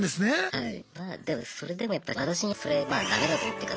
はい。